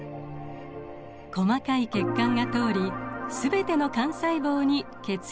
細かい血管が通り全ての肝細胞に血液が行き渡ります。